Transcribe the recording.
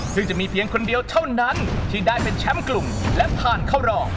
ซึ่งจะมีเพียงคนเดียวเท่านั้นที่ได้เป็นแชมป์กลุ่มและผ่านเข้ารอง